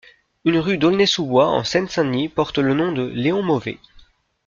Une rue d'Aulnay-sous-Bois, en Seine-Saint-Denis porte le nom de Léon Mauvais.